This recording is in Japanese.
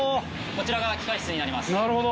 こちらが機械室になります。